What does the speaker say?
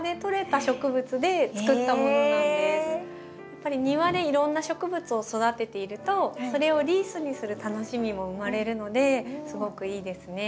やっぱり庭でいろんな植物を育てているとそれをリースにする楽しみも生まれるのですごくいいですね。